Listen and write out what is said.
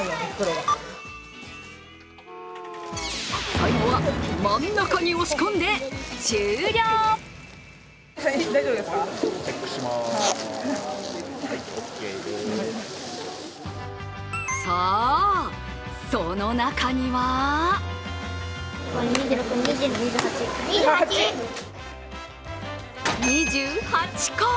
最後は、真ん中に押し込んで終了さあ、その中には２８個。